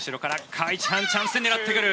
カ・イチハンチャンスで狙ってくる。